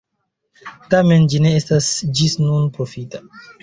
Tamen, ĝi ne estas ĝis nun profita.